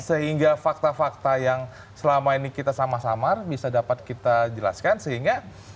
sehingga fakta fakta yang selama ini kita sama samar bisa dapat kita jelaskan sehingga